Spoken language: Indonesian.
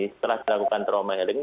setelah dilakukan trauma healing